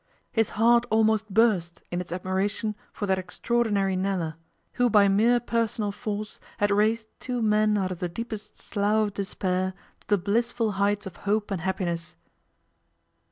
His heart almost burst in its admiration for that extraordinary Nella, who by mere personal force had raised two men out of the deepest slough of despair to the blissful heights of hope and happiness.